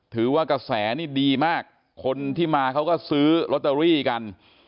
ถือว่ากระแสนี่ดีมากคนที่มาเขาก็ซื้อลอตเตอรี่กัน